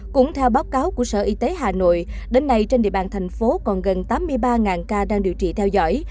cũng theo báo cáo của sở y tế hà nội đến nay trên địa bàn thành phố còn gần tám mươi ba ca đang điều trị theo dõi